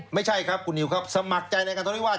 ไม่ใช่ครับคุณนิวครับสมัครใจในการทะเลาวิวาส